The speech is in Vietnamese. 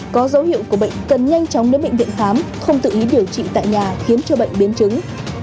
có dấu hiệu của bệnh cần nhanh chóng đến bệnh viện khám không tự ý điều trị tại nhà khiến cho bệnh biến chứng